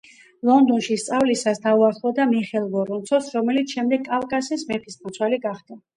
ლონდონში სწავლისას დაუახლოვდა მიხეილ ვორონცოვს, რომელიც შემდეგ კავკასიის მეფისნაცვალი გახდა.